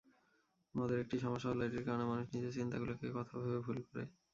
মদের একটি সমস্যা হলো, এটির কারণে মানুষ নিজের চিন্তাগুলোকে কথা ভেবে ভুল করে।